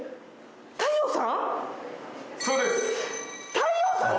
太陽さんだ！